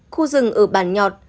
khu rừng ở bản nhọt